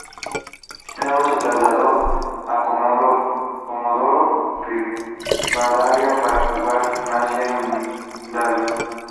Luego, se trasladó a Comodoro Rivadavia para jugar en Gimnasia Indalo.